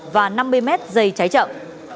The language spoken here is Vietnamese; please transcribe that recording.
và năm mươi m dây cháy chậm